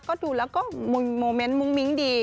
ก็ดูแล้วก็โมเมนต์มุ้งมิ้งดี